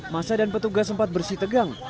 masa dan petugas sempat bersih tegang